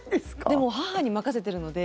でも、母に任せてるので。